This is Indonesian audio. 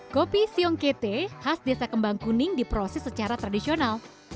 kopi siongkete khas desa kembang kuning diproses secara tradisional